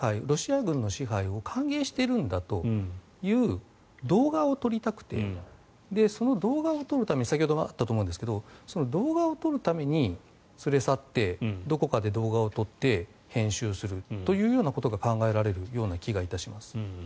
ロシア軍の支配を歓迎しているんだという動画を撮りたくてその動画を撮るために先ほどあったと思いますが動画を撮るために連れ去ってどこかで動画を撮って編集するというようなことが考えられるような気がします。